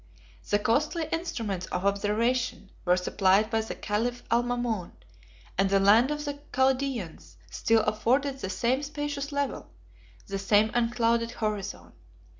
The costly instruments of observation were supplied by the caliph Almamon, and the land of the Chaldaeans still afforded the same spacious level, the same unclouded horizon.